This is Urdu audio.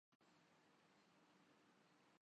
سزا اگر احتساب عدالت سے ہوتی ہے۔